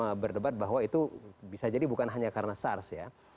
untuk bisa berdebatt bahwa itu bisa jadi bukan hanya karena sars ya